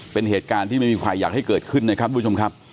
เป็นเหตุการณ์ที่ไม่มีใครอยากให้เกิดขึ้นนะครับทุกผู้ชมครับ